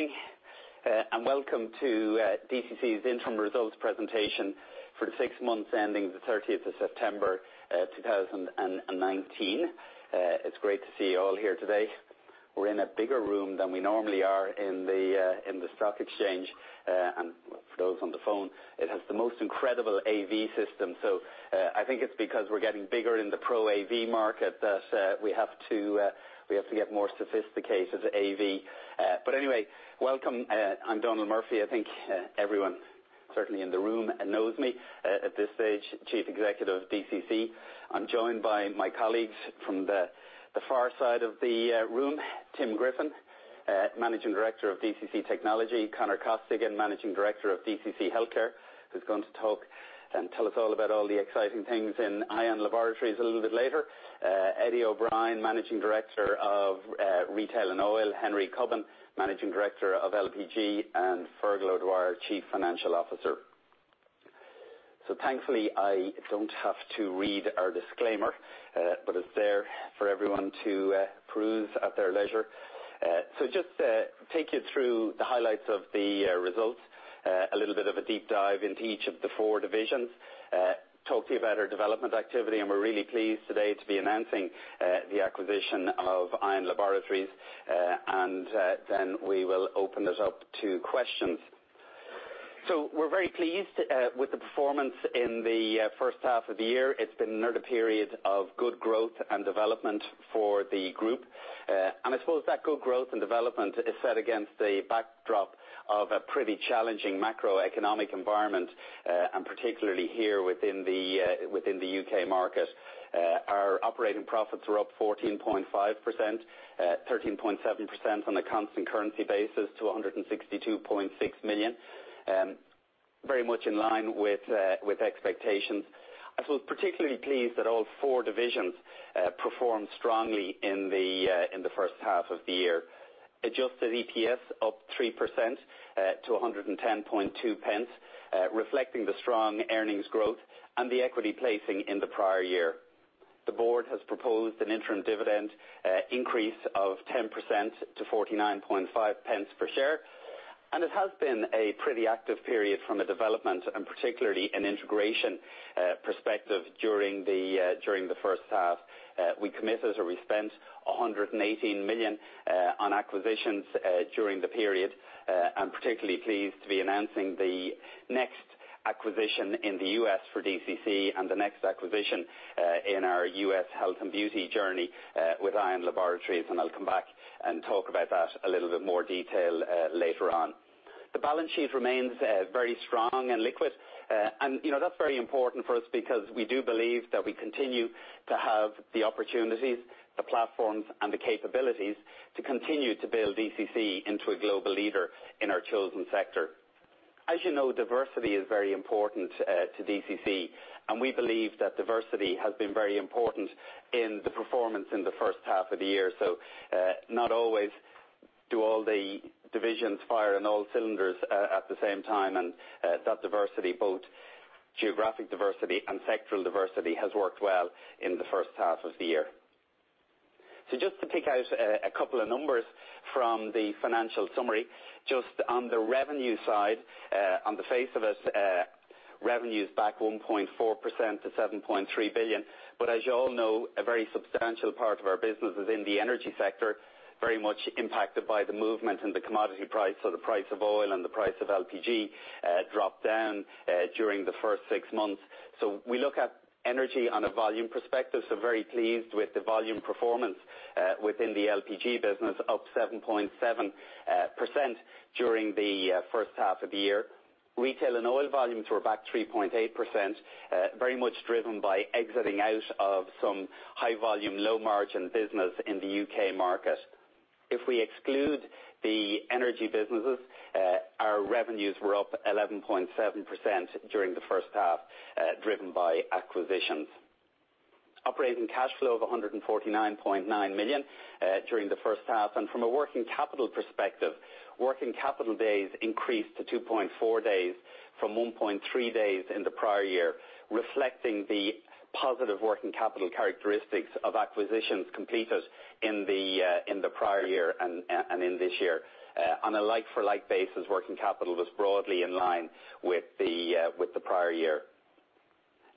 Morning, welcome to DCC's interim results presentation for the six months ending the 30th of September 2019. It's great to see you all here today. We're in a bigger room than we normally are in the stock exchange. For those on the phone, it has the most incredible AV system. I think it's because we're getting bigger in the pro AV market that we have to get more sophisticated AV. Anyway, welcome. I'm Donal Murphy. I think everyone, certainly in the room, knows me at this stage, Chief Executive, DCC. I'm joined by my colleagues from the far side of the room, Tim Griffin, Managing Director of DCC Technology, Conor Costigan, Managing Director of DCC Healthcare, who's going to talk and tell us all about all the exciting things in Ion Laboratories a little bit later. Eddie O'Brien, Managing Director of Retail and Oil, Henry Cubbon, Managing Director of LPG, and Fergal O'Dwyer, Chief Financial Officer. Thankfully, I don't have to read our disclaimer, but it's there for everyone to peruse at their leisure. Just take you through the highlights of the results. A little bit of a deep dive into each of the four divisions, talk to you about our development activity, and we're really pleased today to be announcing the acquisition of Ion Laboratories. We will open it up to questions. We're very pleased with the performance in the first half of the year. It's been another period of good growth and development for the group. I suppose that good growth and development is set against the backdrop of a pretty challenging macroeconomic environment, and particularly here within the U.K. market. Our operating profits were up 14.5%, 13.7% on a constant currency basis to 162.6 million. Very much in line with expectations. I feel particularly pleased that all four divisions performed strongly in the first half of the year. Adjusted EPS up 3% to 1.102, reflecting the strong earnings growth and the equity placing in the prior year. The board has proposed an interim dividend increase of 10% to 0.495 per share. It has been a pretty active period from a development, and particularly an integration perspective during the first half. We committed or we spent 118 million on acquisitions during the period. I'm particularly pleased to be announcing the next acquisition in the U.S. for DCC and the next acquisition in our U.S. health and beauty journey with Ion Laboratories. I'll come back and talk about that a little bit more detail later on. The balance sheet remains very strong and liquid. That's very important for us because we do believe that we continue to have the opportunities, the platforms, and the capabilities to continue to build DCC into a global leader in our chosen sector. As you know, diversity is very important to DCC, and we believe that diversity has been very important in the performance in the first half of the year. Not always do all the divisions fire on all cylinders at the same time, and that diversity, both geographic diversity and sectoral diversity, has worked well in the first half of the year. Just to pick out a couple of numbers from the financial summary, just on the revenue side. On the face of it, revenue's back 1.4% to 7.3 billion. As you all know, a very substantial part of our business is in the energy sector, very much impacted by the movement and the commodity price or the price of oil and the price of LPG dropped down during the first six months. We look at energy on a volume perspective, so very pleased with the volume performance within the LPG business, up 7.7% during the first half of the year. Retail and oil volumes were back 3.8%, very much driven by exiting out of some high-volume, low-margin business in the U.K. market. If we exclude the energy businesses, our revenues were up 11.7% during the first half, driven by acquisitions. Operating cash flow of 149.9 million during the first half. From a working capital perspective, working capital days increased to 2.4 days from 1.3 days in the prior year, reflecting the positive working capital characteristics of acquisitions completed in the prior year and in this year. On a like-for-like basis, working capital was broadly in line with the prior year.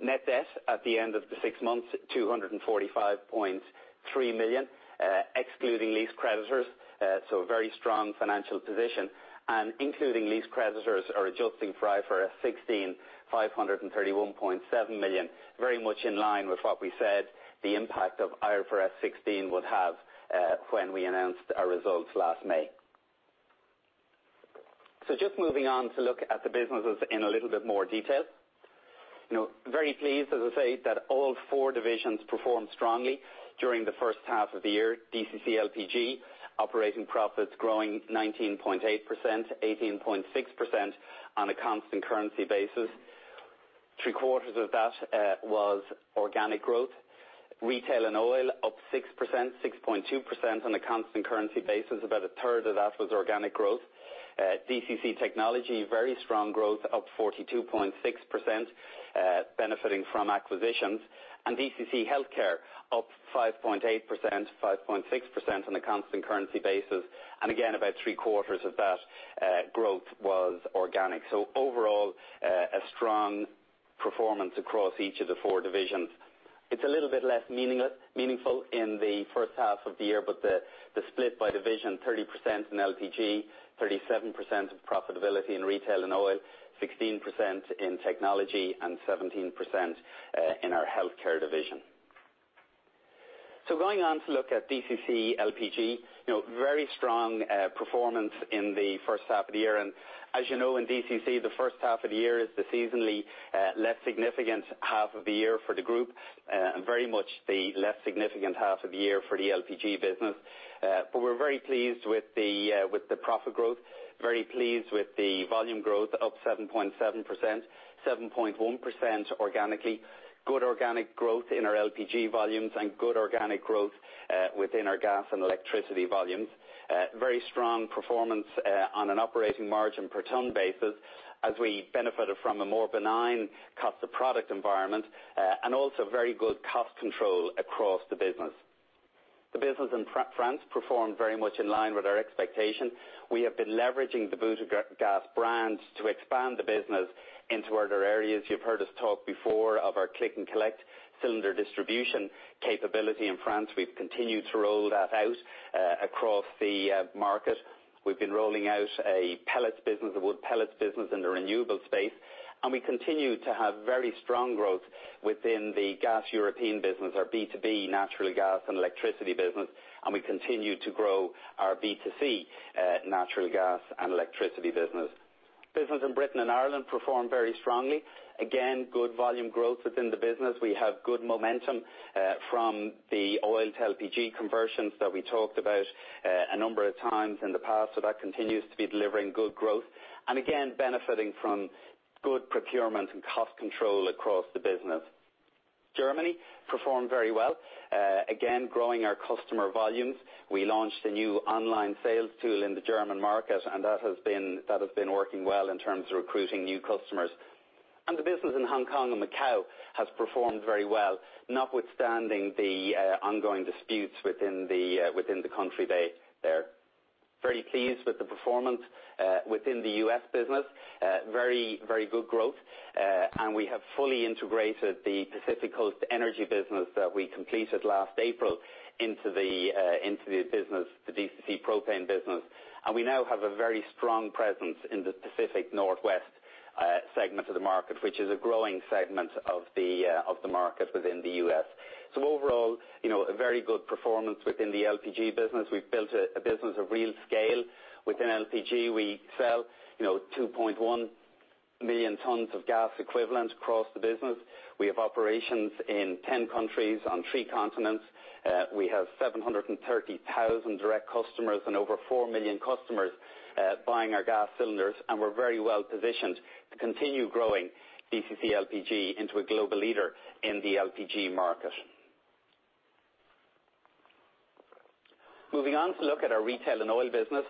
Net debt at the end of the six months, 245.3 million, excluding lease creditors, a very strong financial position. Including lease creditors or adjusting for IFRS 16, 531.7 million, very much in line with what we said the impact of IFRS 16 would have when we announced our results last May. Just moving on to look at the businesses in a little bit more detail. Very pleased, as I say, that all four divisions performed strongly during the first half of the year. DCC LPG operating profits growing 19.8%, 18.6% on a constant currency basis. Three-quarters of that was organic growth. Retail and Oil up 6%, 6.2% on a constant currency basis. About a third of that was organic growth. DCC Technology, very strong growth, up 42.6%, benefiting from acquisitions. DCC Healthcare up 5.8%, 5.6% on a constant currency basis. Again, about three quarters of that growth was organic. Overall, a strong performance across each of the four divisions. It's a little bit less meaningful in the first half of the year, the split by division, 30% in LPG, 37% of profitability in Retail and Oil, 16% in Technology and 17% in our Healthcare division. Going on to look at DCC LPG. Very strong performance in the first half of the year. As you know, in DCC, the first half of the year is the seasonally less significant half of the year for the group, and very much the less significant half of the year for the LPG business. We're very pleased with the profit growth. Very pleased with the volume growth, up 7.7%, 7.1% organically. Good organic growth in our LPG volumes and good organic growth within our gas and electricity volumes. Very strong performance on an operating margin per ton basis as we benefited from a more benign cost of product environment, and also very good cost control across the business. The business in France performed very much in line with our expectations. We have been leveraging the Butagaz brand to expand the business into other areas. You've heard us talk before of our click and collect cylinder distribution capability in France. We've continued to roll that out across the market. We've been rolling out a wood pellets business in the renewable space, and we continue to have very strong growth within the Gaz Européen business, our B2B natural gas and electricity business, and we continue to grow our B2C natural gas and electricity business. Business in the U.K. and Ireland performed very strongly. Good volume growth within the business. We have good momentum from the oil-to-LPG conversions that we talked about a number of times in the past. That continues to be delivering good growth. Again, benefiting from good procurement and cost control across the business. Germany performed very well. Growing our customer volumes. We launched a new online sales tool in the German market, and that has been working well in terms of recruiting new customers. The business in Hong Kong and Macau has performed very well, notwithstanding the ongoing disputes within the country there. Very pleased with the performance within the U.S. business. Very good growth. We have fully integrated the Pacific Coast Energy business that we completed last April into the DCC Propane business. We now have a very strong presence in the Pacific Northwest segment of the market, which is a growing segment of the market within the U.S. Overall, a very good performance within the LPG business. We've built a business of real scale within LPG. We sell 2.1 million tons of gas equivalent across the business. We have operations in 10 countries on three continents. We have 730,000 direct customers and over 4 million customers buying our gas cylinders. We're very well positioned to continue growing DCC LPG into a global leader in the LPG market. Moving on to look at our Retail and Oil business.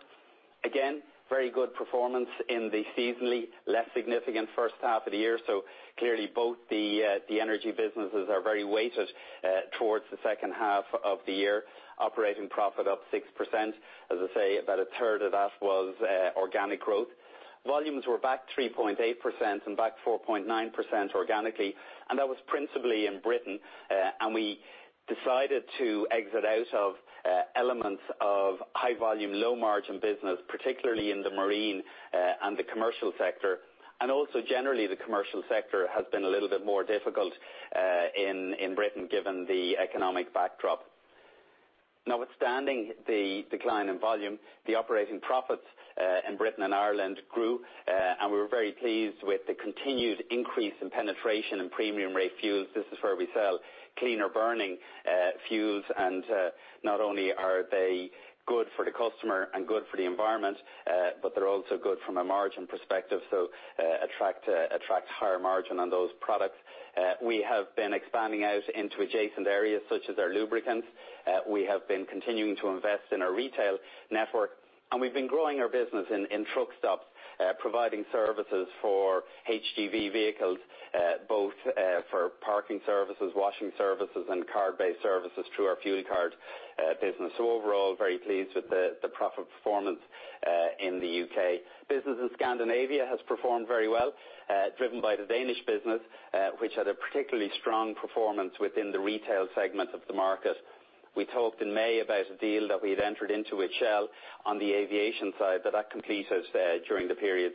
Again, very good performance in the seasonally less significant first half of the year. Clearly both the energy businesses are very weighted towards the second half of the year. Operating profit up 6%. As I say, about a third of that was organic growth. Volumes were back 3.8% and back 4.9% organically, and that was principally in Britain. We decided to exit out of elements of high volume, low margin business, particularly in the marine and the commercial sector. Also generally the commercial sector has been a little bit more difficult in Britain given the economic backdrop. Notwithstanding the decline in volume, the operating profits in Britain and Ireland grew. We were very pleased with the continued increase in penetration in premium rate fuels. This is where we sell cleaner burning fuels and not only are they good for the customer and good for the environment, but they're also good from a margin perspective. It attracts higher margin on those products. We have been expanding out into adjacent areas such as our lubricants. We have been continuing to invest in our retail network, and we've been growing our business in truck stops, providing services for HGV vehicles, both for parking services, washing services, and card-based services through our fuel card business. Overall, very pleased with the profit performance in the U.K. Business in Scandinavia has performed very well, driven by the Danish business, which had a particularly strong performance within the retail segment of the market. We talked in May about a deal that we had entered into with Shell on the aviation side, but that completed during the period.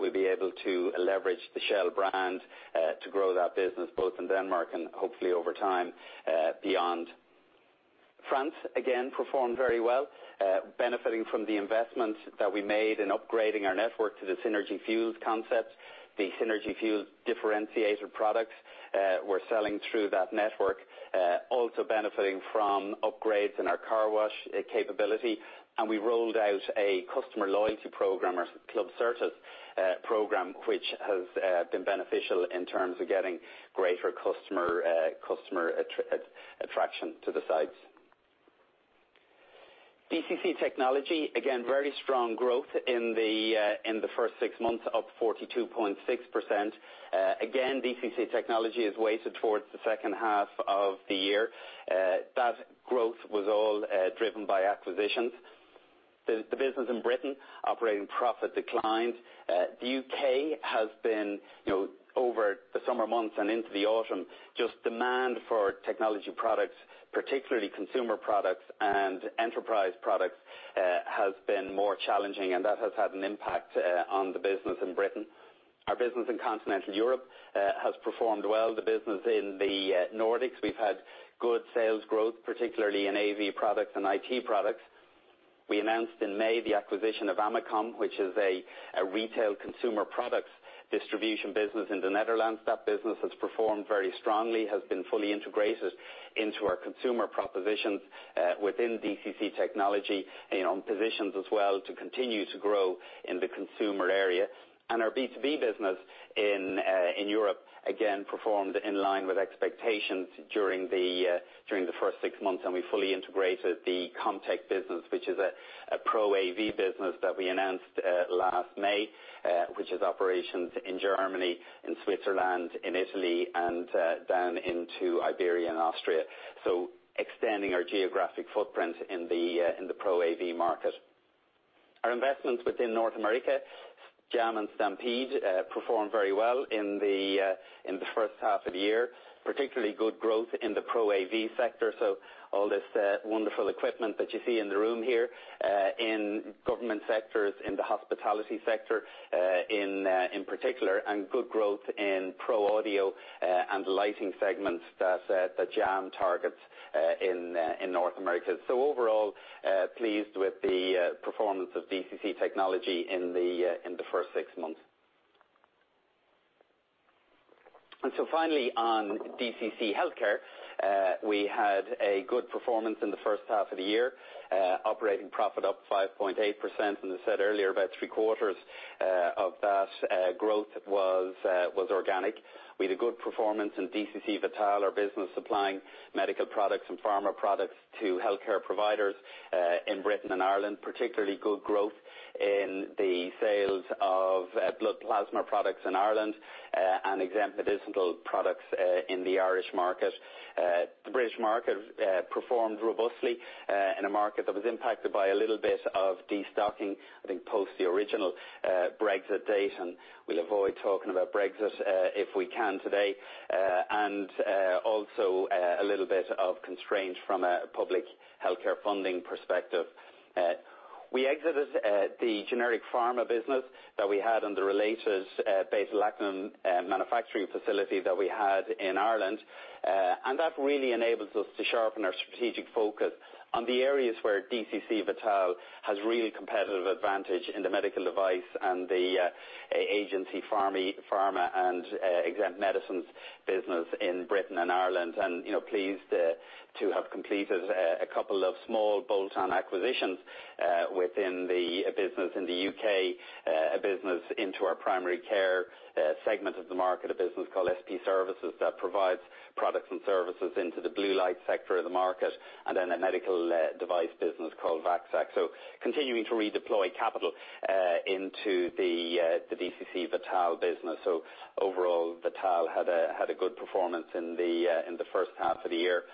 We'll be able to leverage the Shell brand to grow that business both in Denmark and hopefully over time, beyond. France, again, performed very well, benefiting from the investment that we made in upgrading our network to the Synergy Fuels concept, the Synergy Fuels differentiator products we're selling through that network. Also benefiting from upgrades in our car wash capability. We rolled out a customer loyalty program, our Club Services program, which has been beneficial in terms of getting greater customer attraction to the sites. DCC Technology, again, very strong growth in the first six months, up 42.6%. DCC Technology is weighted towards the second half of the year. That growth was all driven by acquisitions. The business in Britain, operating profit declined. The U.K. has been, over the summer months and into the autumn, just demand for technology products, particularly consumer products and enterprise products, has been more challenging, and that has had an impact on the business in Britain. Our business in continental Europe has performed well. The business in the Nordics, we've had good sales growth, particularly in AV products and IT products. We announced in May the acquisition of Amacom, which is a retail consumer products distribution business in the Netherlands. That business has performed very strongly, has been fully integrated into our consumer propositions within DCC Technology, and positions as well to continue to grow in the consumer area. Our B2B business in Europe, again, performed in line with expectations during the first six months, and we fully integrated the Comm-Tec business, which is a pro AV business that we announced last May, which has operations in Germany, in Switzerland, in Italy, and down into Iberia and Austria. Extending our geographic footprint in the pro AV market. Our investments within North America, Jam and Stampede, performed very well in the first half of the year. Particularly good growth in the pro AV sector, all this wonderful equipment that you see in the room here, in government sectors, in the hospitality sector, in particular, and good growth in pro audio and lighting segments that Jam targets in North America. Overall, pleased with the performance of DCC Technology in the first six months. Finally, on DCC Healthcare, we had a good performance in the first half of the year. Operating profit up 5.8%, and as I said earlier, about three-quarters of that growth was organic. We had a good performance in DCC Vital, our business supplying medical products and pharma products to healthcare providers, in the U.K. and Ireland. Particularly good growth in the sales of blood plasma products in Ireland and exempt medicinal products in the Irish market. The U.K. market performed robustly in a market that was impacted by a little bit of destocking, I think, post the original Brexit date, and we'll avoid talking about Brexit if we can today. Also a little bit of constraint from a public healthcare funding perspective. We exited the generic pharma business that we had and the related beta-lactam manufacturing facility that we had in Ireland. That really enables us to sharpen our strategic focus on the areas where DCC Vital has really competitive advantage in the medical device and the agency pharma and exempt medicines business in Britain and Ireland. Pleased to have completed a couple of small bolt-on acquisitions within the business in the U.K., a business into our primary care segment of the market, a business called SP Services that provides products and services into the blue light sector of the market, and then a medical device business called VacSax. Continuing to redeploy capital into the DCC Vital business. Overall, Vital had a good performance in the first half of the year.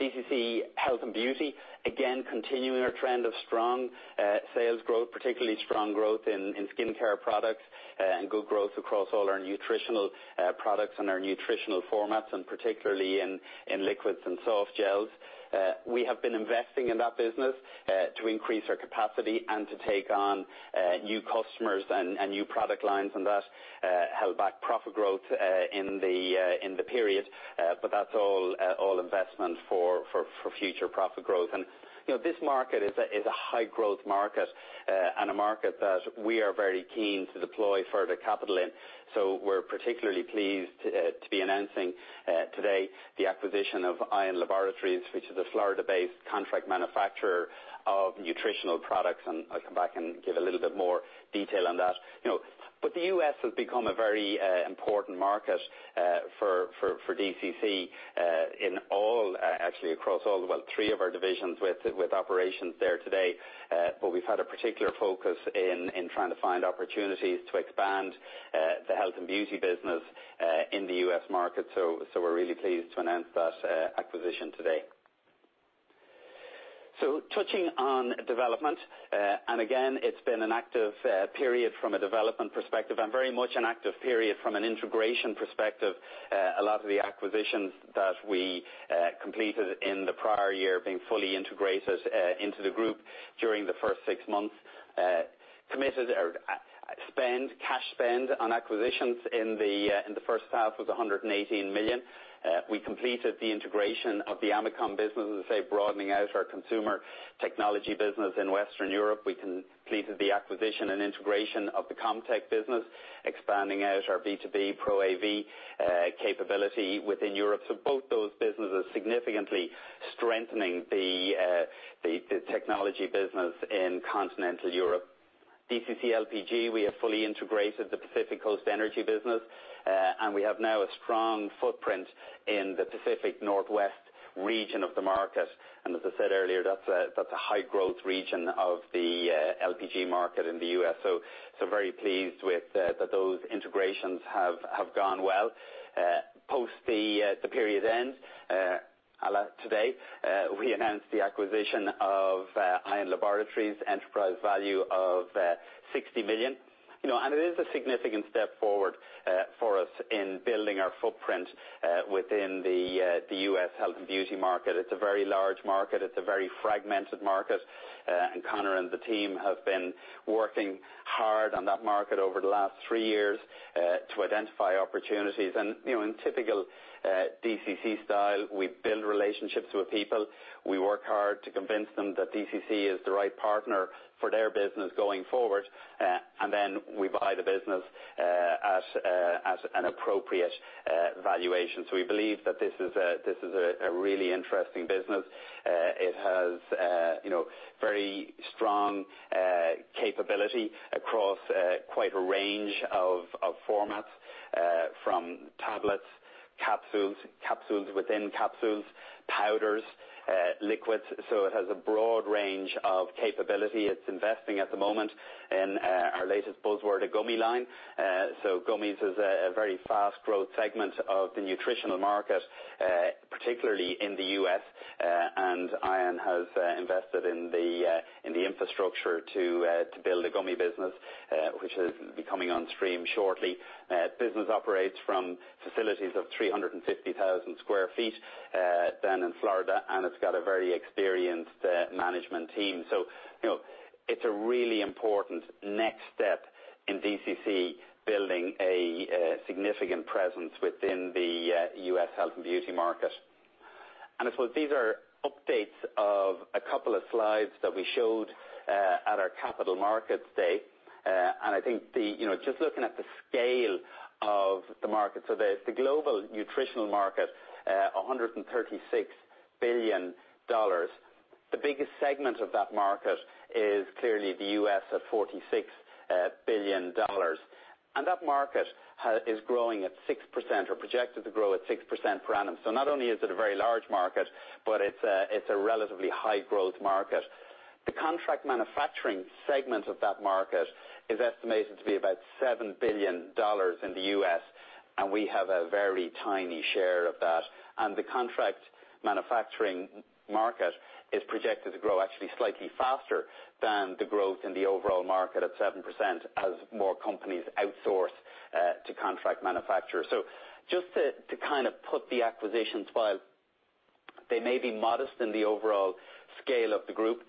DCC Health and Beauty, again, continuing our trend of strong sales growth, particularly strong growth in skincare products, and good growth across all our nutritional products and our nutritional formats, and particularly in liquids and soft gels. We have been investing in that business to increase our capacity and to take on new customers and new product lines, and that held back profit growth in the period. That's all investment for future profit growth. This market is a high growth market, and a market that we are very keen to deploy further capital in. We're particularly pleased to be announcing today the acquisition of Ion Laboratories, which is a Florida-based contract manufacturer of nutritional products, and I'll come back and give a little bit more detail on that. The U.S. has become a very important market for DCC in all, actually across all, well, three of our divisions with operations there today. We've had a particular focus in trying to find opportunities to expand the health and beauty business in the U.S. market. We're really pleased to announce that acquisition today. Touching on development, and again, it's been an active period from a development perspective, and very much an active period from an integration perspective. A lot of the acquisitions that we completed in the prior year being fully integrated into the group during the first six months. Committed spend, cash spend on acquisitions in the first half was 118 million. We completed the integration of the Amacom business, as I say, broadening out our consumer technology business in Western Europe. We completed the acquisition and integration of the Comm-Tec business, expanding out our B2B pro AV capability within Europe. Both those businesses significantly strengthening the technology business in continental Europe. DCC LPG, we have fully integrated the Pacific Coast Energy business, and we have now a strong footprint in the Pacific Northwest region of the market. As I said earlier, that's a high growth region of the LPG market in the U.S. Very pleased that those integrations have gone well. Post the period end, today, we announced the acquisition of Ion Laboratories, enterprise value of 60 million. It is a significant step forward for us in building our footprint within the U.S. health and beauty market. It's a very large market. It's a very fragmented market. Conor and the team have been working hard on that market over the last three years to identify opportunities. In typical DCC style, we build relationships with people, we work hard to convince them that DCC is the right partner for their business going forward, and then we buy the business at an appropriate valuation. We believe that this is a really interesting business. It has very strong capability across quite a range of formats, from tablets, capsules, capsule in capsule, powders, liquids. It has a broad range of capability. It's investing at the moment in our latest buzzword, a gummy line. Gummies is a very fast growth segment of the nutritional market, particularly in the U.S., and Ion has invested in the infrastructure to build a gummy business, which is coming on stream shortly. Business operates from facilities of 350,000 sq ft down in Florida, and it's got a very experienced management team. It's a really important next step in DCC building a significant presence within the U.S. health and beauty market. I suppose these are updates of a couple of slides that we showed at our capital markets day. I think, just looking at the scale of the market, the global nutritional market, $136 billion. The biggest segment of that market is clearly the U.S. at $46 billion. That market is growing at 6%, or projected to grow at 6% per annum. Not only is it a very large market, but it's a relatively high growth market. The contract manufacturing segment of that market is estimated to be about $7 billion in the U.S., and we have a very tiny share of that. The contract manufacturing market is projected to grow actually slightly faster than the growth in the overall market at 7% as more companies outsource to contract manufacturers. Just to put the acquisitions, while they may be modest in the overall scale of the group,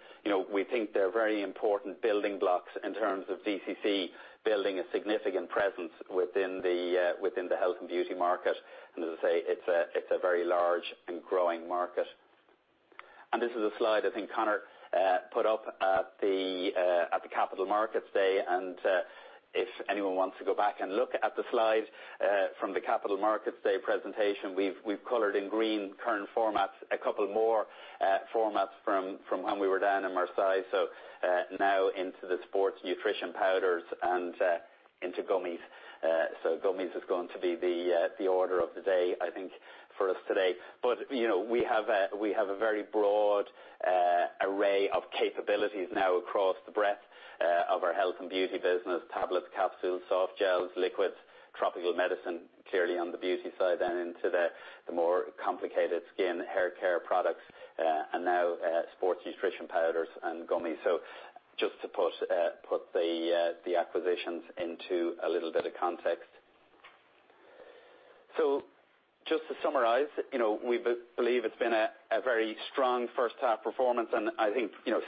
we think they're very important building blocks in terms of DCC building a significant presence within the health and beauty market. As I say, it's a very large and growing market. This is a slide I think Conor put up at the capital markets day. If anyone wants to go back and look at the slide from the capital markets day presentation, we've colored in green current formats, a couple more formats from when we were down in Marseille. Now into the sports nutrition powders and into gummies. Gummies is going to be the order of the day, I think, for us today. We have a very broad array of capabilities now across the breadth of our health and beauty business. Tablets, capsules, soft gels, liquids, tropical medicine, clearly on the beauty side, into the more complicated skin, hair care products, now sports nutrition powders and gummies. Just to put the acquisitions into a little bit of context. Just to summarize, we believe it's been a very strong first half performance.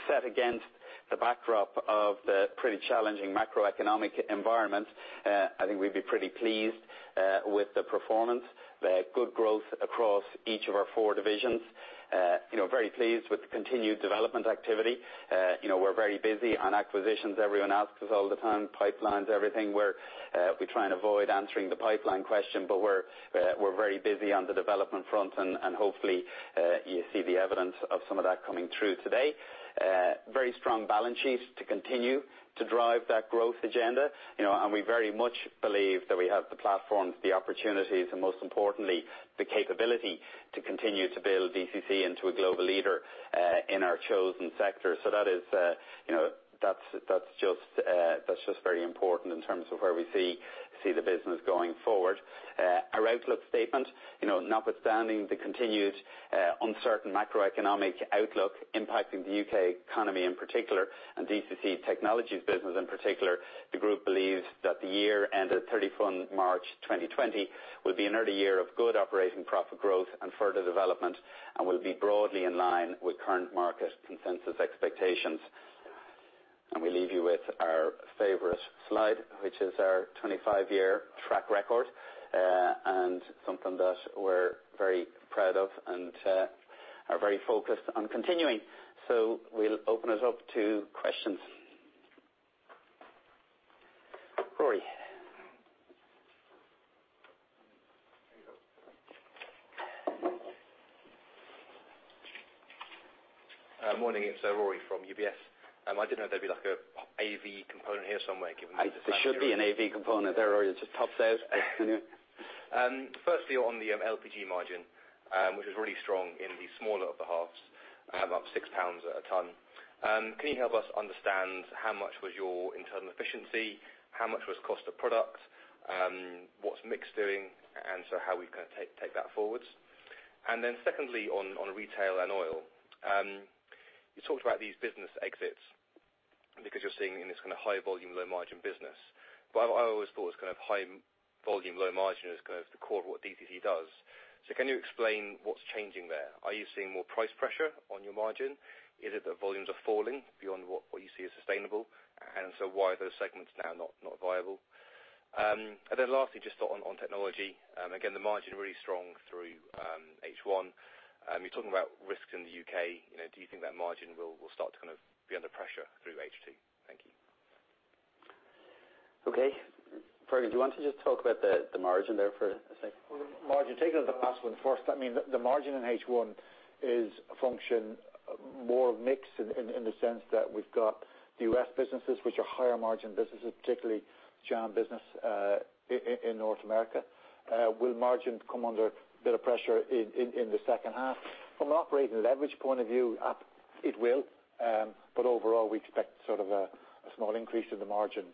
Set against the backdrop of the pretty challenging macroeconomic environment, I think we'd be pretty pleased with the performance. Good growth across each of our four divisions. Very pleased with the continued development activity. We're very busy on acquisitions. Everyone asks us all the time, pipelines, everything. We try and avoid answering the pipeline question. We're very busy on the development front, hopefully you see the evidence of some of that coming through today. Very strong balance sheet to continue to drive that growth agenda. We very much believe that we have the platforms, the opportunities, and most importantly, the capability to continue to build DCC into a global leader in our chosen sector. That's just very important in terms of where we see the business going forward. Our outlook statement, notwithstanding the continued uncertain macroeconomic outlook impacting the U.K. economy in particular, and DCC Technology business in particular, the group believes that the year ended 31 March 2020 will be another year of good operating profit growth and further development and will be broadly in line with current market consensus expectations. We leave you with our favorite slide, which is our 25-year track record, and something that we're very proud of and are very focused on continuing. We'll open it up to questions. Morning. It's Rory from UBS. I didn't know if there'd be like an AV component here somewhere. There should be an AV component there, Rory. It's a top sales. Firstly, on the LPG margin, which was really strong in the smaller of the halves, up 6 pounds a tonne. Can you help us understand how much was your internal efficiency? How much was cost of product? What's mix doing, how we kind of take that forwards? Secondly, on Retail and Oil. You talked about these business exits because you're seeing in this kind of high volume, low margin business. What I always thought was kind of high volume, low margin is kind of the core of what DCC does. Can you explain what's changing there? Are you seeing more price pressure on your margin? Is it that volumes are falling beyond what you see as sustainable? Why are those segments now not viable? Lastly, just on Technology. Again, the margin really strong through H1. You're talking about risk in the U.K. Do you think that margin will start to kind of be under pressure through H2? Thank you. Okay. Fergal, do you want to just talk about the margin there for a second? Well, margin, taking the last one first. The margin in H1 is a function more of mix in the sense that we've got the U.S. businesses, which are higher margin businesses, particularly Jam business, in North America. Will margin come under a bit of pressure in the second half? From an operating leverage point of view, it will. Overall, we expect sort of a small increase in the margin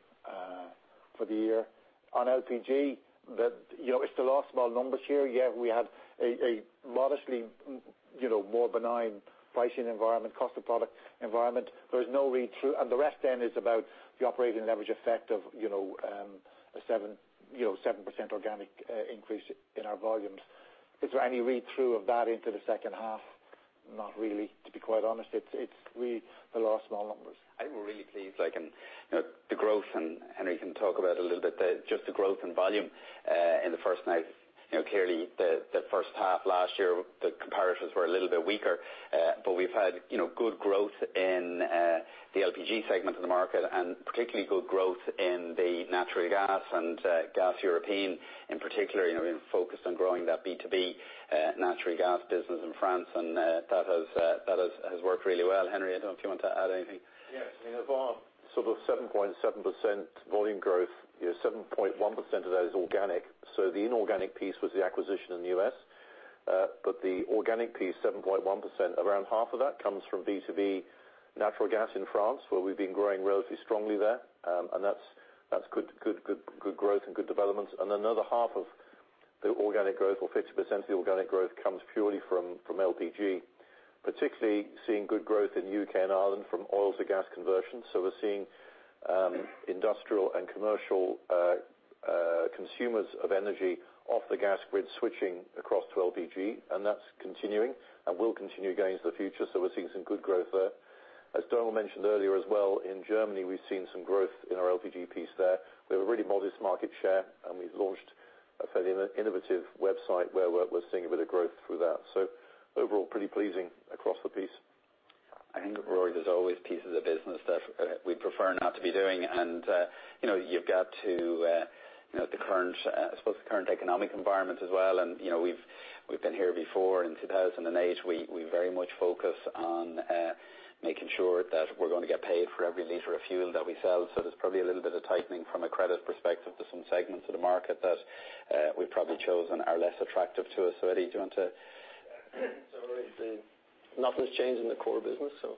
for the year. On LPG, it's the law of small numbers here. Yeah, we had a modestly more benign pricing environment, cost of product environment. The rest is about the operating leverage effect of 7% organic increase in our volumes. Is there any read-through of that into the second half? Not really, to be quite honest. It's really the law of small numbers. I'm really pleased. The growth, and Henry can talk about a little bit, just the growth in volume, in the first nine. Clearly the first half last year, the comparisons were a little bit weaker. We've had good growth in the LPG segment of the market, and particularly good growth in the natural gas and Gaz Européen. In particular, we've been focused on growing that B2B natural gas business in France, and that has worked really well. Henry, I don't know if you want to add anything. Yes. Of our sort of 7.7% volume growth, 7.1% of that is organic. The inorganic piece was the acquisition in the U.S. The organic piece, 7.1%, around half of that comes from B2B natural gas in France, where we've been growing relatively strongly there. That's good growth and good developments. Another half of the organic growth, or 50% of the organic growth, comes purely from LPG. Particularly seeing good growth in U.K. and Ireland from oil to gas conversion. We're seeing industrial and commercial consumers of energy off the gas grid switching across to LPG, and that's continuing and will continue going into the future. We're seeing some good growth there. As Donal mentioned earlier as well, in Germany, we've seen some growth in our LPG piece there. We have a really modest market share, and we've launched a fairly innovative website where we're seeing a bit of growth through that. Overall, pretty pleasing across the piece. I think, Rory, there's always pieces of business that we'd prefer not to be doing, and you've got to, I suppose, the current economic environment as well, and we've been here before. In 2008, we very much focused on making sure that we're going to get paid for every liter of fuel that we sell. There's probably a little bit of tightening from a credit perspective to some segments of the market that we've probably chosen are less attractive to us. Eddie, do you want to? Rory, nothing's changed in the core business, so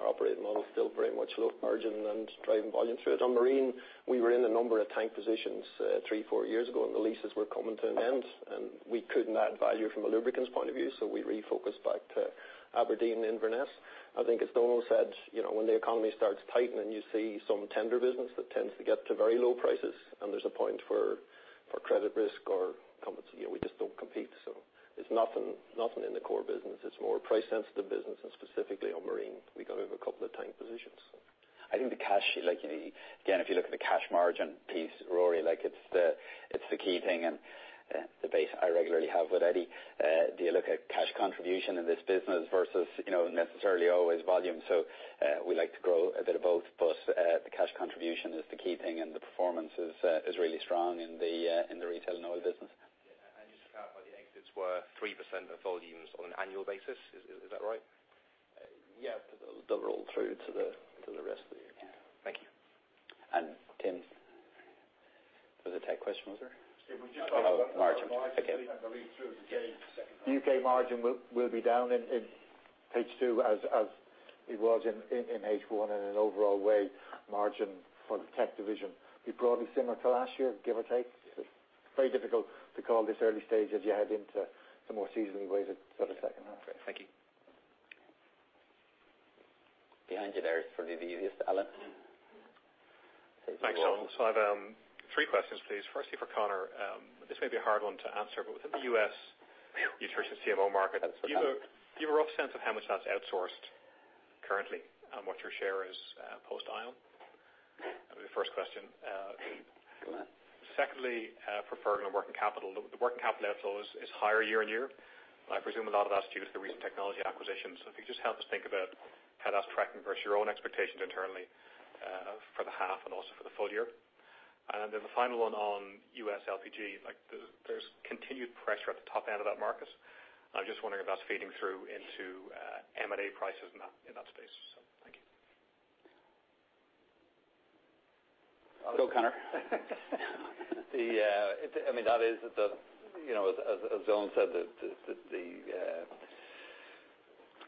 our operating model is still very much low margin and driving volume through it. On marine, we were in a number of tank positions three, four years ago, and the leases were coming to an end, and we couldn't add value from a lubricants point of view, so we refocused back to Aberdeen and Inverness. I think as Donal said, when the economy starts to tighten and you see some tender business, that tends to get to very low prices, and there's a point for credit risk or we just don't compete. It's nothing in the core business. It's more price-sensitive business, and specifically on marine. We got out of a couple of tank positions. I think the cash, again, if you look at the cash margin piece, Rory, it's the key thing and the debate I regularly have with Eddie. Do you look at cash contribution in this business versus necessarily always volume? We like to grow a bit of both, but the cash contribution is the key thing, and the performance is really strong in the Retail and Oil business. Yeah. Just to clarify, the exits were 3% of volumes on an annual basis. Is that right? Yeah. They'll roll through to the rest of the year. Thank you. Tim, there was a tech question, was there? If we could just. Oh, margin. Okay. Margin and the read-through of the U.K. second half. The U.K. margin will be down in H2 as it was in H1 in an overall way. Margin for the Tech Division will be broadly similar to last year, give or take. It is very difficult to call this early stage as you head into the more seasonally weighted sort of second half. Great. Thank you. Behind you there. It's probably the easiest. Alan. Thanks, Donal. I have three questions, please. Firstly, for Conor, this may be a hard one to answer, but within the U.S. nutrition CMO market- That's fine. Do you have a rough sense of how much that's outsourced currently and what your share is post-Alan? That'll be the first question. Go on. For Fergal on working capital. The working capital outflow is higher year-over-year. I presume a lot of that's due to the recent Technology acquisitions. If you could just help us think about how that's tracking versus your own expectations internally for the half and also for the full year. The final one on U.S. LPG. There's continued pressure at the top end of that market. I'm just wondering if that's feeding through into M&A prices in that space. Thank you. Go, Conor. As Donal said, the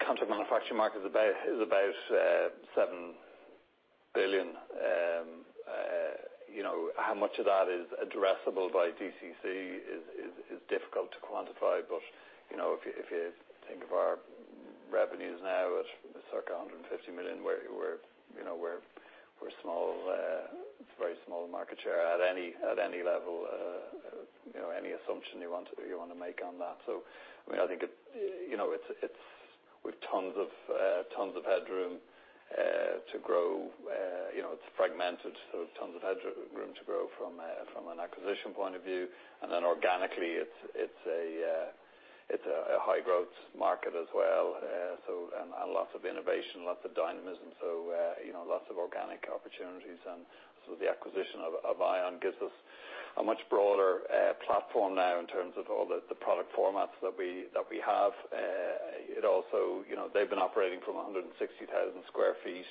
contract manufacturing market is about 7 billion. How much of that is addressable by DCC is difficult to quantify. If you think of our revenues now at circa 150 million, where it's a very small market share at any level, any assumption you want to make on that. I think, with tons of headroom to grow, it's fragmented, tons of headroom to grow from an acquisition point of view. Organically, it's a high growth market as well. Lots of innovation, lots of dynamism. Lots of organic opportunities. The acquisition of Ion gives us a much broader platform now in terms of all the product formats that we have. They've been operating from 160,000 sq ft.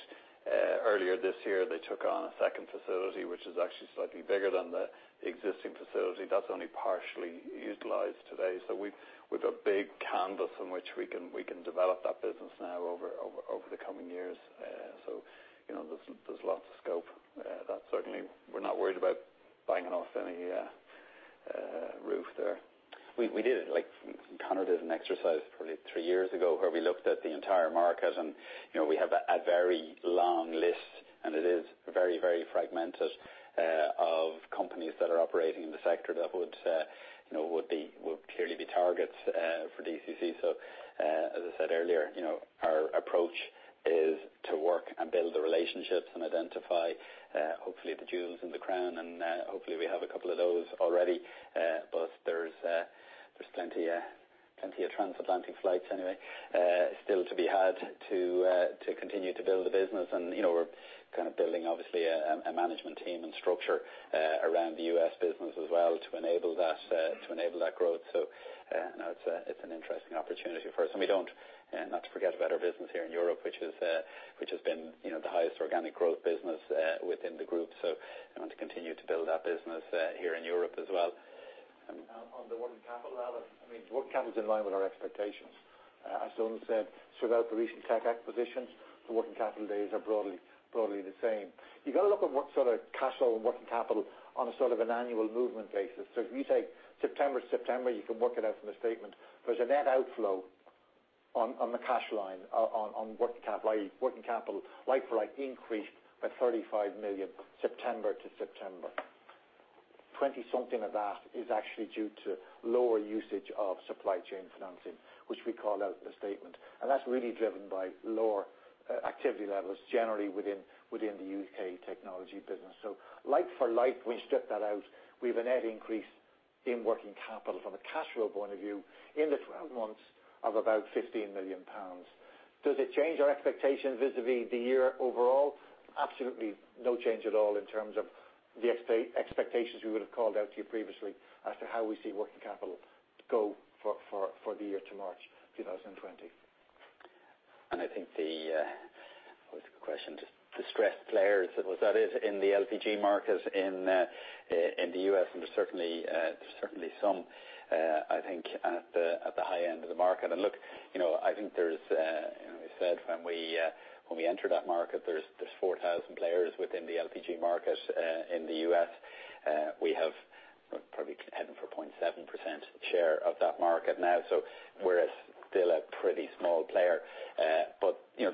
Earlier this year, they took on a second facility which is actually slightly bigger than the existing facility, that's only partially utilized today. We've a big canvas in which we can develop that business now over the coming years. There's lots of scope. That certainly, we're not worried about banging off any roof there. Conor did an exercise probably three years ago where we looked at the entire market, and we have a very long list, and it is very, very fragmented, of companies that are operating in the sector that would clearly be targets for DCC. As I said earlier, our approach is to work and build the relationships and identify, hopefully the jewels in the crown, and hopefully we have a couple of those already. There's plenty of transatlantic flights anyway, still to be had to continue to build the business. We're kind of building, obviously, a management team and structure around the U.S. business as well to enable that growth. It's an interesting opportunity for us. Not to forget about our business here in Europe, which has been the highest organic growth business within the group. I want to continue to build that business here in Europe as well. On the working capital level, working capital is in line with our expectations. As Ion said, throughout the recent tech acquisitions, the working capital days are broadly the same. You've got to look at what sort of cash flow and working capital on a sort of an annual movement basis. If you take September to September, you can work it out from the statement. There's a net outflow on the cash line on working capital, like for like, increased by 35 million September to September. 20 something of that is actually due to lower usage of supply chain financing, which we called out in the statement. That's really driven by lower activity levels, generally within the U.K. technology business. Like for like, we strip that out, we have a net increase in working capital from a cash flow point of view in the 12 months of about 15 million pounds. Does it change our expectations vis-à-vis the year overall? Absolutely no change at all in terms of the expectations we would have called out to you previously as to how we see working capital go for the year to March 2020. I think the question, just distressed players, was that it in the LPG market in the U.S.? There's certainly some, I think at the high end of the market. Look, I think there's, we said when we enter that market, there's 4,000 players within the LPG market, in the U.S. We have probably heading for 0.7% share of that market now. We're at still a pretty small player.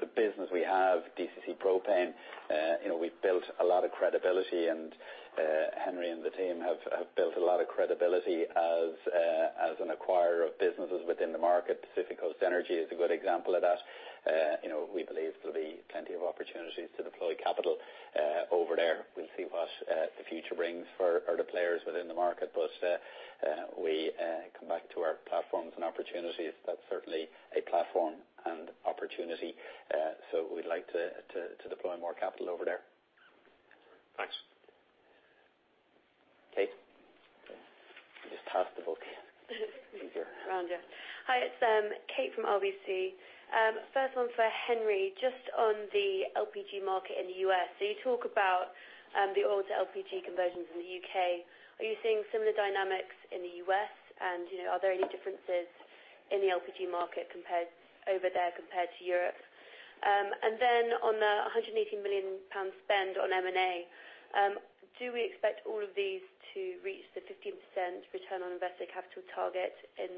The business we have, DCC Propane, we've built a lot of credibility and Henry and the team have built a lot of credibility as an acquirer of businesses within the market. Pacific Coast Energy is a good example of that. We believe there'll be plenty of opportunities to deploy capital over there. We'll see what the future brings for the players within the market. We come back to our platforms and opportunities. That's certainly a platform and opportunity. We'd like to deploy more capital over there. Thanks. Kate? I'll just pass the book. Easier. Around you. Hi, it's Kate from RBC. First one for Henry, just on the LPG market in the U.S. You talk about the oil to LPG conversions in the U.K. Are you seeing similar dynamics in the U.S.? Are there any differences in the LPG market over there compared to Europe? On the 180 million pound spend on M&A, do we expect all of these to reach the 15% return on invested capital target in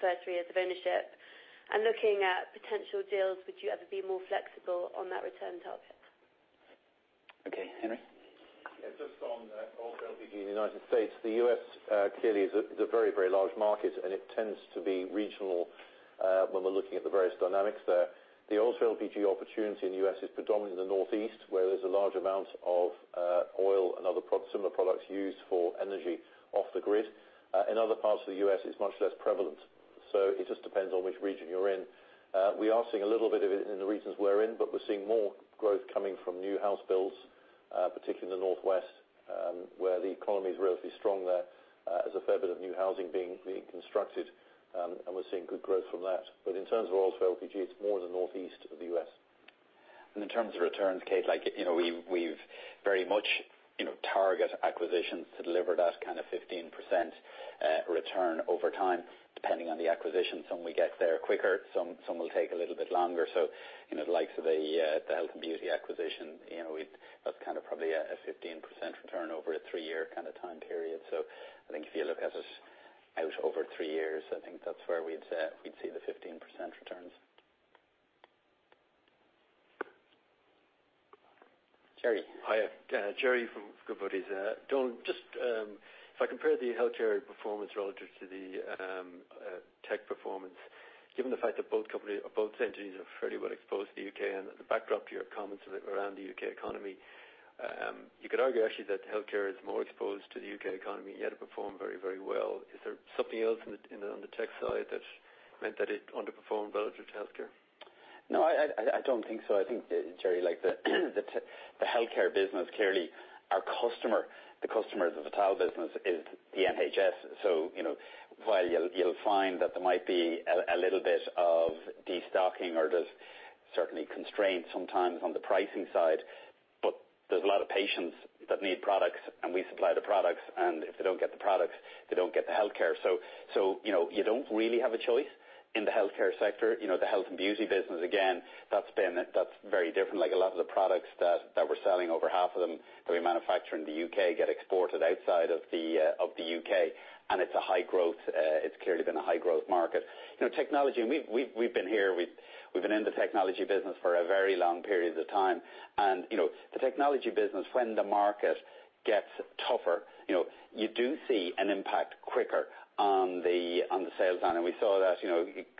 first three years of ownership? Looking at potential deals, would you ever be more flexible on that return target? Okay, Henry? Yeah, just on the oil to LPG in the U.S. The U.S. clearly is a very, very large market, and it tends to be regional, when we're looking at the various dynamics there. The oil to LPG opportunity in the U.S. is predominant in the Northeast, where there's a large amount of oil and other similar products used for energy off the grid. In other parts of the U.S., it's much less prevalent. It just depends on which region you're in. We are seeing a little bit of it in the regions we're in, but we're seeing more growth coming from new house builds, particularly in the Northwest, where the economy's relatively strong there. There's a fair bit of new housing being constructed, and we're seeing good growth from that. In terms of oil for LPG, it's more the Northeast of the U.S. In terms of returns, Kate, we very much target acquisitions to deliver that kind of 15% return over time, depending on the acquisition. Some will get there quicker, some will take a little bit longer. The likes of the health and beauty acquisition, that's probably a 15% return over a three-year kind of time period. I think if you look at us out over three years, I think that's where we'd see the 15% returns. Jerry. Hi. Jerry from Goodbody. Don, if I compare the Healthcare performance relative to the Tech performance, given the fact that both entities are fairly well exposed to the U.K. and the backdrop to your comments around the U.K. economy, you could argue actually that Healthcare is more exposed to the U.K. economy, yet it performed very well. Is there something else on the Tech side that meant that it underperformed relative to Healthcare? No, I don't think so. I think, Jerry, the healthcare business, clearly our customer, the customers of the Vital business is the NHS. While you'll find that there might be a little bit of destocking or there's certainly constraints sometimes on the pricing side, but there's a lot of patients that need products, and we supply the products, and if they don't get the products, they don't get the healthcare. You don't really have a choice in the healthcare sector. The Health and Beauty business, again, that's very different. A lot of the products that we're selling, over half of them that we manufacture in the U.K., get exported outside of the U.K., and it's clearly been a high growth market. Technology, we've been here, we've been in the technology business for a very long period of time, and the technology business, when the market gets tougher, you do see an impact quicker on the sales line, and we saw that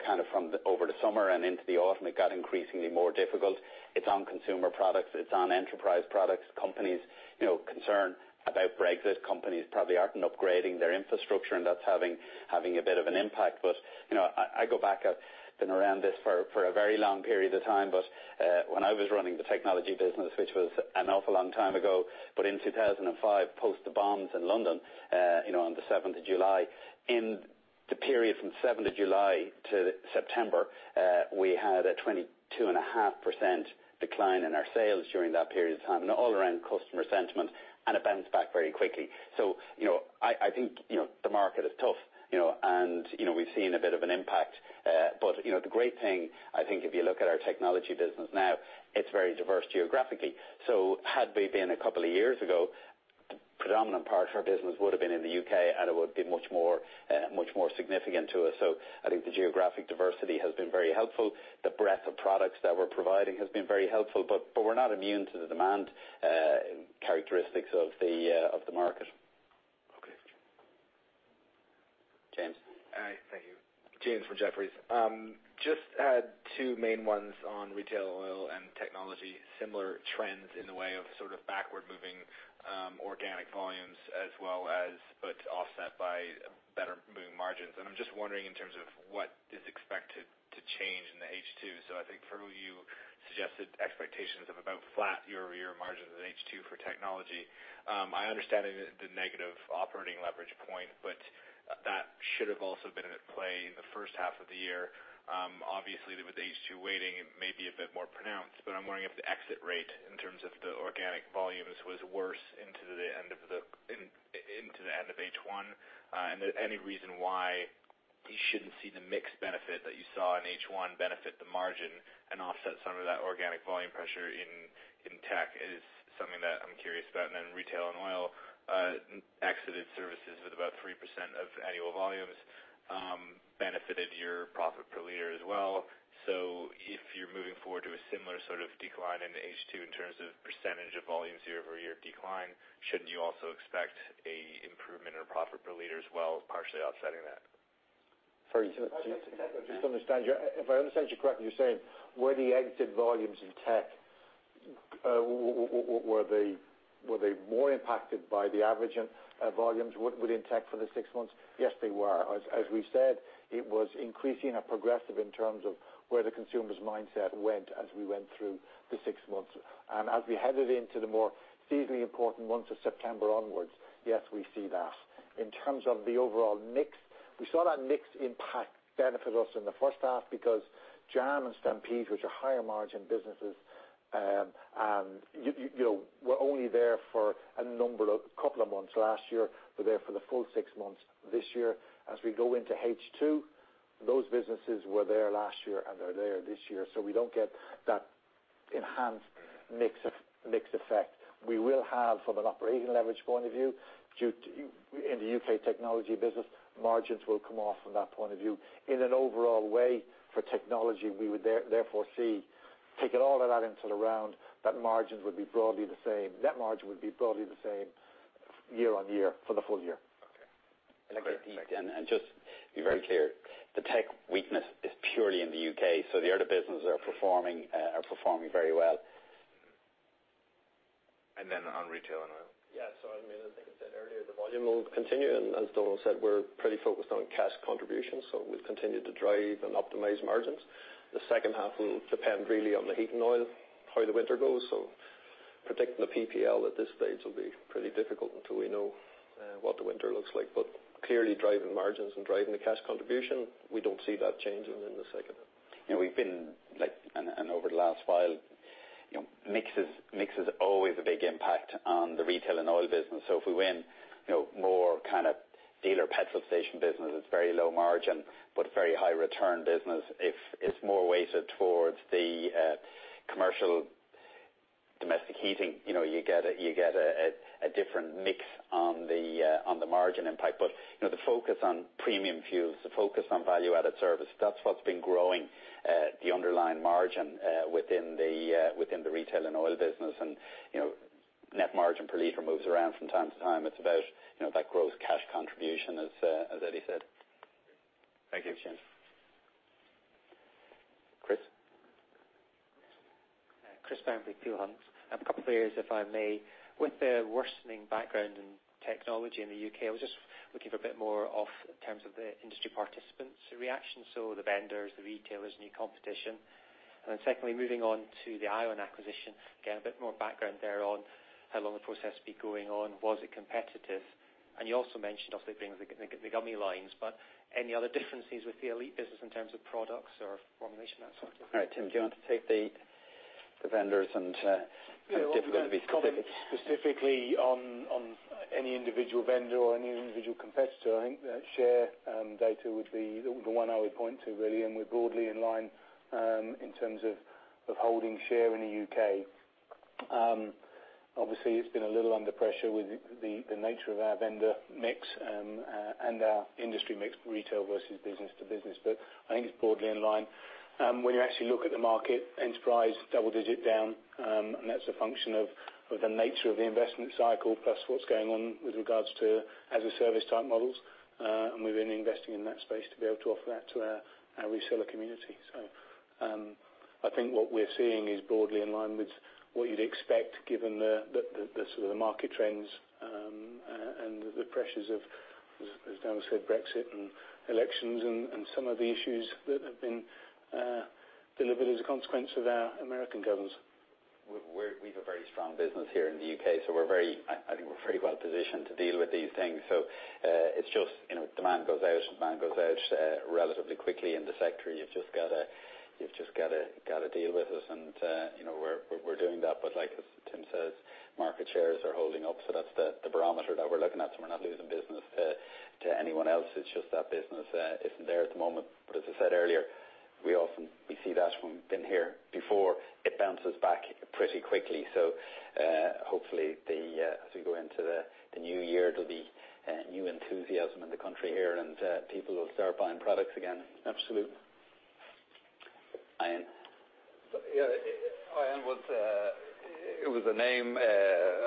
kind of from over the summer and into the autumn, it got increasingly more difficult. It's on consumer products. It's on enterprise products. Companies concerned about Brexit, companies probably aren't upgrading their infrastructure, and that's having a bit of an impact. I go back, I've been around this for a very long period of time, but when I was running the technology business, which was an awful long time ago, but in 2005, post the bombs in London on the 7th of July. In the period from 7th of July to September, we had a 22.5% decline in our sales during that period of time, and all around customer sentiment, and it bounced back very quickly. I think the market is tough, and we've seen a bit of an impact. The great thing, I think if you look at our technology business now, it's very diverse geographically. Had we been a couple of years ago, predominant part of our business would've been in the U.K., and it would be much more significant to us. I think the geographic diversity has been very helpful. The breadth of products that we're providing has been very helpful, but we're not immune to the demand characteristics of the market. Okay. James. Hi. Thank you. James from Jefferies. Had 2 main ones on Retail, Oil, and Technology, similar trends in the way of sort of backward moving organic volumes as well as, but offset by better moving margins. I'm just wondering in terms of what is expected to change in the H2. I think, Fergal, you suggested expectations of about flat year-over-year margins in H2 for Technology. I understand the negative operating leverage point, that should have also been at play in the first half of the year. Obviously with the H2 waiting, it may be a bit more pronounced, but I'm wondering if the exit rate in terms of the organic volumes was worse into the end of H1, and any reason why you shouldn't see the mix benefit that you saw in H1 benefit the margin and offset some of that organic volume pressure in tech is something that I'm curious about. Retail and oil exited services with about 3% of annual volumes, benefited your profit per liter as well. If you're moving forward to a similar sort of decline in H2 in terms of percentage of volumes year-over-year decline, shouldn't you also expect an improvement in profit per liter as well, partially offsetting that? Fergal. If I understand you correctly, you are saying, were the exited volumes in tech, were they more impacted by the average volumes within tech for the six months? Yes, they were. As we said, it was increasing progressively in terms of where the consumer's mindset went as we went through the six months. As we headed into the more seasonally important months of September onwards, yes, we see that. In terms of the overall mix, we saw that mix impact benefit us in the first half because Jam and Stampede, which are higher margin businesses, were only there for a couple of months last year, were there for the full six months this year. As we go into H2, those businesses were there last year and are there this year, so we do not get that enhanced mix effect. We will have, from an operating leverage point of view, in the U.K. Technology business, margins will come off from that point of view. In an overall way for Technology, we would therefore see, taking all of that into the round, that net margin would be broadly the same year-on-year for the full year. Okay. Just to be very clear, the tech weakness is purely in the U.K., so the other businesses are performing very well. On retail and oil? Yeah. I think I said earlier, the volume will continue. As Donal said, we're pretty focused on cash contributions, we'll continue to drive and optimize margins. The second half will depend really on the heating oil, how the winter goes. Predicting the PPL at this stage will be pretty difficult until we know what the winter looks like. Clearly, driving margins and driving the cash contribution, we don't see that changing in the second half. Over the last while, mix is always a big impact on the Retail and Oil business. If we win more kind of dealer petrol station business, it's very low margin, but very high return business. If it's more weighted towards the commercial domestic heating, you get a different mix on the margin impact. The focus on premium fuels, the focus on value-added service, that's what's been growing the underlying margin within the Retail and Oil business. Net margin per liter moves around from time to time. It's about that gross cash contribution as Eddie said. Thank you. Thanks, James. Chris? Chris Bamberry, Peel Hunt. A couple of areas, if I may. With the worsening background in technology in the U.K., I was just looking for a bit more of in terms of the industry participants' reaction. The vendors, the retailers, new competition. Secondly, moving on to the Ion acquisition, can I get a bit more background there on how long the process has been going on? Was it competitive? You also mentioned obviously bringing the gummy lines, but any other differences with the Elite business in terms of products or formulation, that side? All right, Tim, do you want to take the vendors and it'd be difficult to be specific. I'm not going to comment specifically on any individual vendor or any individual competitor. I think that share data would be the one I would point to, really, and we're broadly in line in terms of holding share in the U.K. Obviously, it's been a little under pressure with the nature of our vendor mix and our industry mix, retail versus business to business. I think it's broadly in line. When you actually look at the market, enterprise double-digit down, and that's a function of the nature of the investment cycle, plus what's going on with regards to as a service type models. We've been investing in that space to be able to offer that to our reseller community. I think what we're seeing is broadly in line with what you'd expect given the sort of market trends, and the pressures of, as Donal said, Brexit and elections and some of the issues that have been delivered as a consequence of our American governance. We've a very strong business here in the U.K., so I think we're pretty well positioned to deal with these things. It's just demand goes out, demand goes out relatively quickly in the sector. You've just got to deal with it, and we're doing that. Like as Tim says, market shares are holding up. That's the barometer that we're looking at. We're not losing business to anyone else. It's just that business isn't there at the moment. As I said earlier, we see that been here before. It bounces back pretty quickly. Hopefully, as we go into the new year, there'll be new enthusiasm in the country here, and people will start buying products again. Absolutely. Ion. Yeah. Ion, it was a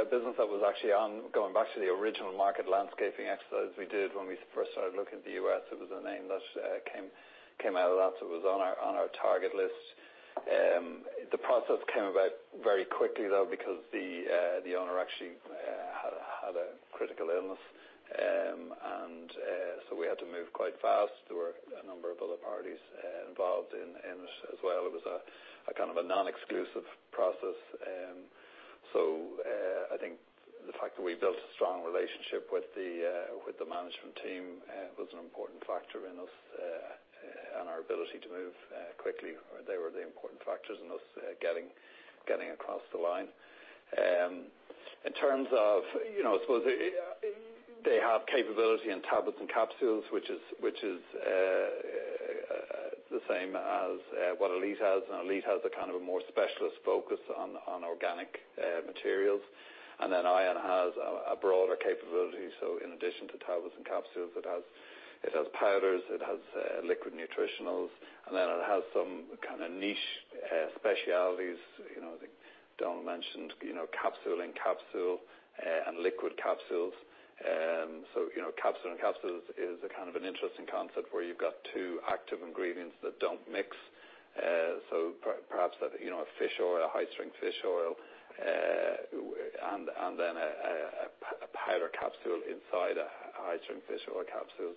business that was actually on going back to the original market landscaping exercise we did when we first started looking at the U.S. It was a name that came out of that. It was on our target list. The process came about very quickly, though, because the owner actually had a critical illness. We had to move quite fast. There were a number of other parties involved in it as well. It was a kind of a non-exclusive process. I think the fact that we built a strong relationship with the management team was an important factor in us, and our ability to move quickly. They were the important factors in us getting across the line. In terms of, I suppose they have capability in tablets and capsules, which is the same as what Elite has. Elite has a kind of a more specialist focus on organic materials. Then Ion has a broader capability. In addition to tablets and capsules, it has powders, it has liquid nutritionals, and then it has some kind of niche specialties. I think Donal mentioned, capsule in capsule and liquid capsules. Capsule in capsules is a kind of an interesting concept where you've got two active ingredients that don't mix. Perhaps, a high-strength fish oil, and then a powder capsule inside a high-strength fish oil capsule.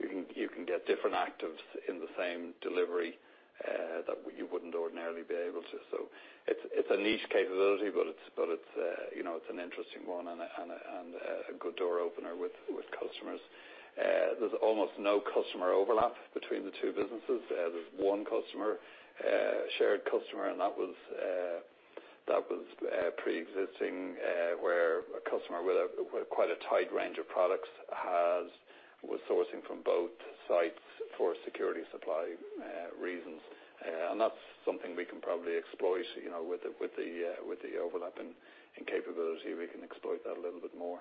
You can get different actives in the same delivery, that you wouldn't ordinarily be able to. It's a niche capability, but it's an interesting one and a good door opener with customers. There's almost no customer overlap between the two businesses. There's one shared customer, that was pre-existing, where a customer with quite a tight range of products was sourcing from both sites for security supply reasons. That's something we can probably exploit, with the overlap in capability, we can exploit that a little bit more.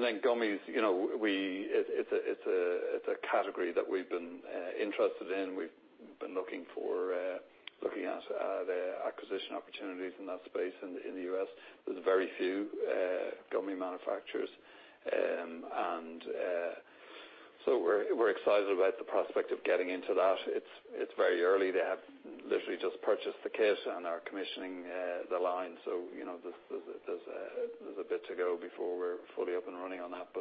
Then gummies, it's a category that we've been interested in. We've been looking at the acquisition opportunities in that space in the U.S. There's very few gummy manufacturers, and We're excited about the prospect of getting into that. It's very early. They have literally just purchased the kit and are commissioning the line. There's a bit to go before we're fully up and running on that.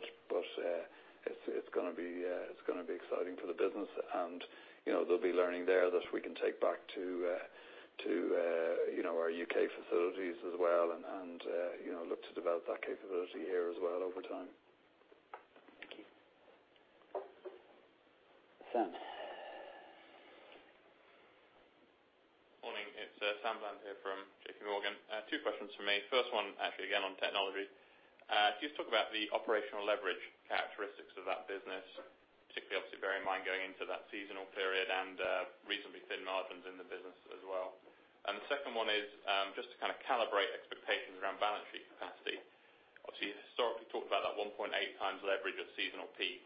It's going to be exciting for the business, and there'll be learning there that we can take back to our U.K. facilities as well, and look to develop that capability here as well over time. Thank you. Sam. Morning. It's Sam Bland here from JPMorgan. Two questions from me. First one, actually, again, on technology. Can you just talk about the operational leverage characteristics of that business, particularly obviously bearing in mind going into that seasonal period and recently thin margins in the business as well. The second one is just to kind of calibrate expectations around balance sheet capacity. Obviously, you historically talked about that 1.8 times leverage at seasonal peak.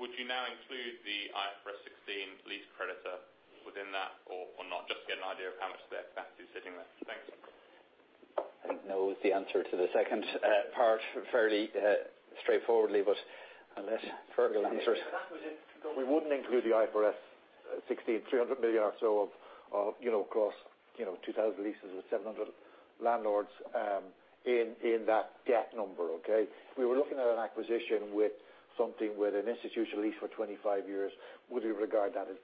Would you now include the IFRS 16 lease creditor within that or not? Just to get an idea of how much of their capacity is sitting there. Thanks. I think no is the answer to the second part, fairly straightforwardly, but unless Fergal answers. We wouldn't include the IFRS 16, 300 million or so of cost, 2,000 leases with 700 landlords, in that debt number. Okay. If we were looking at an acquisition with something with an institutional lease for 25 years, would we regard that as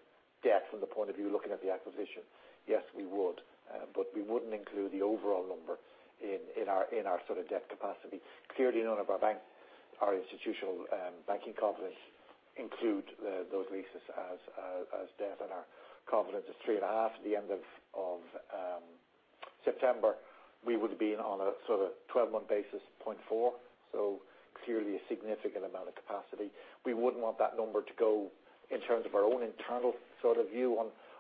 debt from the point of view looking at the acquisition? Yes, we would. We wouldn't include the overall number in our sort of debt capacity. Clearly, none of our institutional banking covenants include those leases as debt on our covenants of 3.5. At the end of September, we would have been on a sort of 12-month basis, 0.4. Clearly a significant amount of capacity. We wouldn't want that number to go, in terms of our own internal sort of view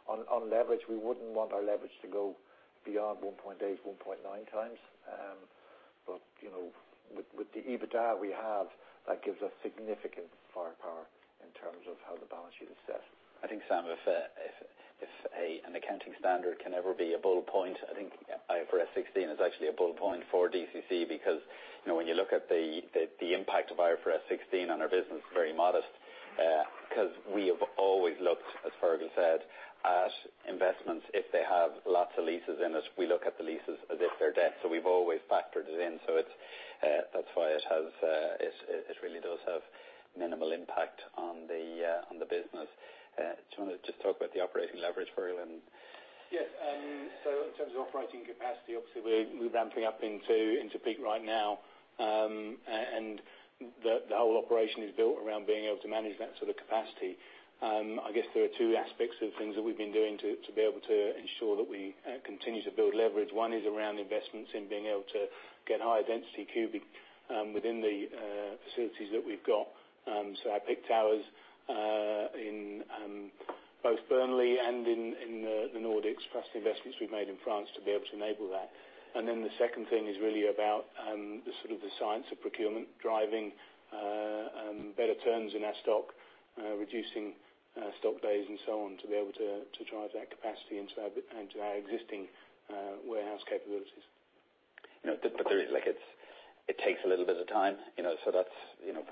on leverage, we wouldn't want our leverage to go beyond 1.8, 1.9 times. With the EBITDA we have, that gives us significant firepower in terms of how the balance sheet is set. I think, Sam, if an accounting standard can ever be a bullet point, I think IFRS 16 is actually a bullet point for DCC because when you look at the impact of IFRS 16 on our business, very modest. Because we have always looked, as Fergal said, at investments, if they have lots of leases in it, we look at the leases as if they're debt. We've always factored it in. That's why it really does have minimal impact on the business. Do you want to just talk about the operating leverage, Fergal? Yes. In terms of operating capacity, obviously we're ramping up into peak right now. The whole operation is built around being able to manage that sort of capacity. I guess there are two aspects of things that we've been doing to be able to ensure that we continue to build leverage. One is around investments in being able to get higher density cubic within the facilities that we've got. Our picked towers, in both Burnley and in the Nordics, plus the investments we've made in France to be able to enable that. The second thing is really about the sort of the science of procurement, driving better turns in our stock, reducing stock days and so on to be able to drive that capacity into our existing warehouse capabilities. There is like it takes a little bit of time, so that's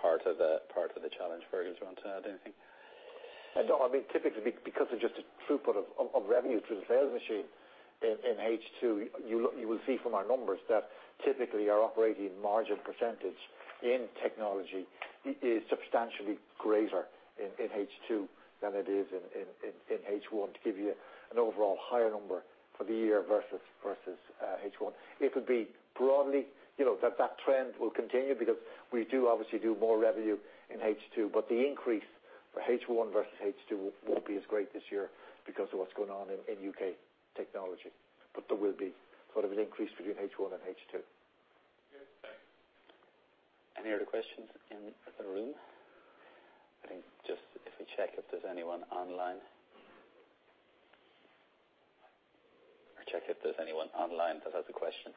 part of the challenge. Fergal, do you want to add anything? I don't. I mean, typically because of just a throughput of revenue through the sales machine in H2, you will see from our numbers that typically our operating margin percentage in technology is substantially greater in H2 than it is in H1 to give you an overall higher number for the year versus H1. It'll be broadly that trend will continue because we do obviously do more revenue in H2, the increase for H1 versus H2 won't be as great this year because of what's going on in U.K. technology. There will be sort of an increase between H1 and H2. Okay. Thanks. Any other questions in the room? I think just if we check if there's anyone online. I'll check if there's anyone online that has a question.